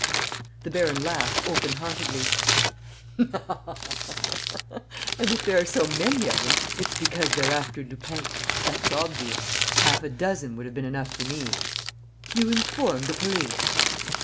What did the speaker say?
..." The baron laughed open heartedly: "And, if there are so many of them, it's because they're after Lupin; that's obvious! Half a dozen would have been enough for me." "You informed the police?"